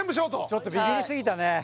ちょっとビビりすぎたね